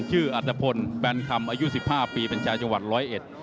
อัตภพลแฟนคำอายุสิบห้าปีเป็นชาวจังหวัดร้อยเอ็ด